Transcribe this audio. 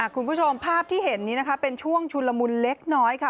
คุณผู้ชมภาพที่เห็นนี้นะคะเป็นช่วงชุนละมุนเล็กน้อยค่ะ